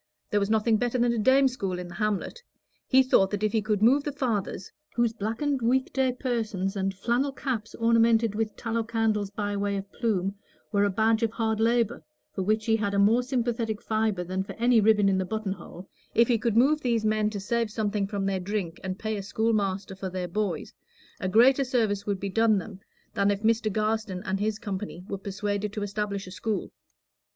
There was nothing better than a dame school in the hamlet; he thought that if he could move the fathers, whose blackened week day persons and flannel caps, ornamented with tallow candles by way of plume, were a badge of hard labor, for which he had a more sympathetic fibre than for any ribbon in the buttonhole if he could move these men to save something from their drink and pay a school master for their boys, a greater service would be done them than if Mr. Garstin and his company were persuaded to establish a school.